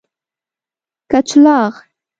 کچلاغ